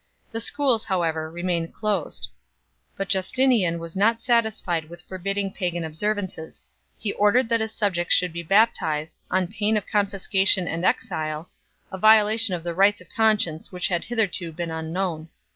The schools however remained closed. But Justinian was not satisfied with forbidding pagan observances; he ordered that his subjects should be baptized 2 , on pain of confisca tion and exile a violation of the rights of conscience which had hitherto been unknown.